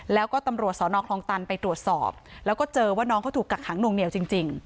แล้วก็ตำรวจสอนอคลองตันไปตรวจสอบแล้วก็เจอว่าน้องเขาถูกกักขังนวงเหนียวจริง